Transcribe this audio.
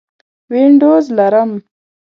وینډوز لرم